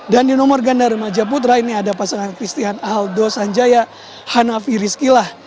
dan di nomor gandar meja putra ini ada pasangan kristian aldo sanjaya hanafi rizki lah